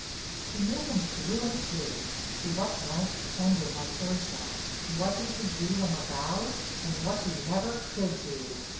She knew him through and through, to what lengths anger might urge him, what he could do when aroused and what he never could do.